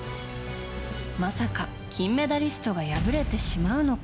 まさか金メダリストが敗れてしまうのか。